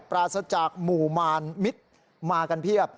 ปราศจากหมู่มารมิตรมากันเพียบ